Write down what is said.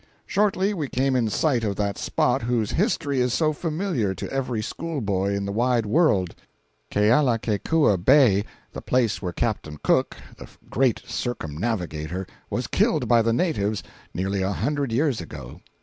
Shortly we came in sight of that spot whose history is so familiar to every school boy in the wide world—Kealakekua Bay—the place where Captain Cook, the great circumnavigator, was killed by the natives, nearly a hundred years ago.